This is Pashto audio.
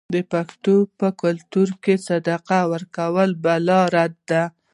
د پښتنو په کلتور کې صدقه ورکول بلا ردوي.